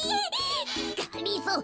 がりぞー